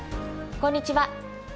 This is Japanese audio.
こんにちは。